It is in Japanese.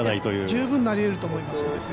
十分、なりうると思います。